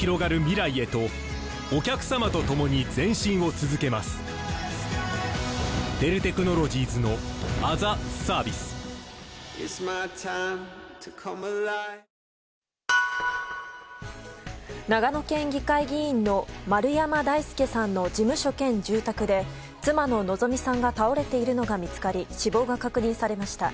一方、３位、巨人は中日のエース大野の前に長野県議会議員の丸山大輔さんの事務所兼住宅で妻の希美さんが倒れているのが見つかり死亡が確認されました。